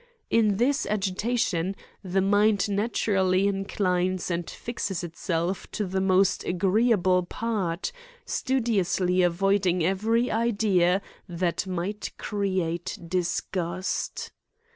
In this agitation, the mind natu rally inclines and fixes itself to the most agreea ble part, studiously avoiding every idea that might create disgust.